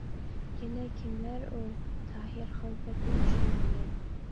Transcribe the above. -يەنە كىملەر ئۇ؟ -تاھىر خەلپەتمۇ چۈشىنەلمەي.